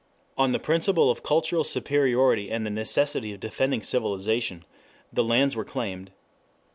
On the principle of cultural superiority and the necessity of defending civilization, the lands were claimed.